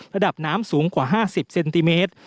ระดับน้ำสูงกว่า๕๐เซนติเมตร